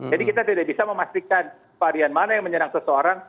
jadi kita tidak bisa memastikan varian mana yang menyerang seseorang